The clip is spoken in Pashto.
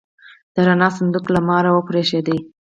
د رڼا صندوق لکه مار وپرشېده.